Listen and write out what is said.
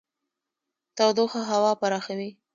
تودوخه هوا پراخوي.